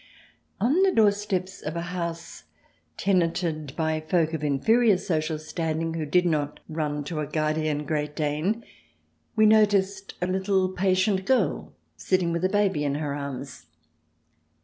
On the doorstep of a house tenanted by folk of inferior social standing who did not run to a guardian Great Dane, we noticed a little patient girl sitting with a baby in her arms.